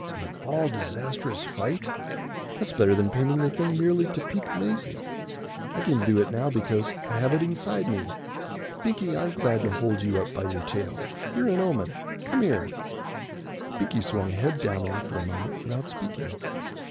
"In all disastrous fight"? That's better than painting the thing merely to pique Maisie. I can do it now because I have it inside me. Binkie, I'm going to hold you up by your tail. You're an omen. Come here." Binkie swung head downward for a moment without speaking.